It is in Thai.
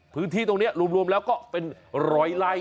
พื้นที่ตรงนี้รวมแล้วก็เป็นร้อยไล่